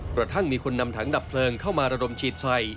กระทั่งมีคนนำถังดับเพลิงเข้ามาระดมฉีดใส่